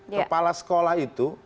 kepala sekolah itu